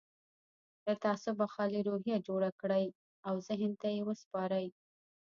له تعصبه خالي روحيه جوړه کړئ او ذهن ته يې وسپارئ.